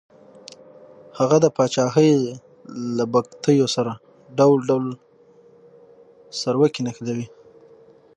هغه د پاچاهۍ له بګتیو سره ډول ډول سروکي نښلوي.